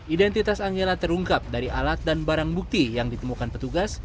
identitas angela terungkap dari alat dan barang bukti yang ditemukan petugas